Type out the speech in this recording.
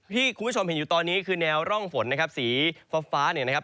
ที่คุณผู้ชมเห็นอยู่ตอนนี้คือแนวร่องฝนนะครับสีฟ้าฟ้าเนี่ยนะครับ